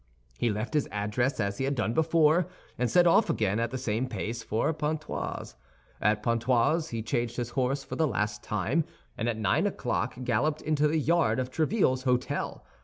He left his address as he had done before, and set off again at the same pace for Pontoise. At Pontoise he changed his horse for the last time, and at nine o'clock galloped into the yard of Tréville's hôtel.